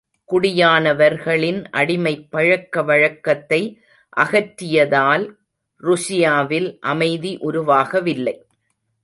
குடியானவர்களின் அடிமைப் பழக்க வழக்கத்தை அகற்றியதால் ருஷியாவில் அமைதி உருவாகவில்லை.